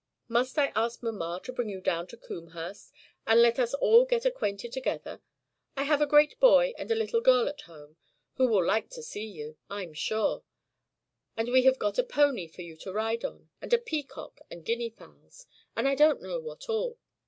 Must I ask mamma to bring you down to Combehurst, and let us all get acquainted together? I have a great boy and a little girl at home, who will like to see you, I'm sure. And we have got a pony for you to ride on, and a peacock and guinea fowls, and I don't know what all.